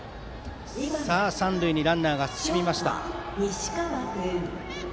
三塁にランナーが進みました。